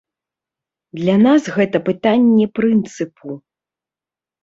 Для нас гэта пытанне прынцыпу.